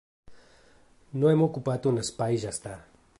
No hem ocupat un espai i ja està.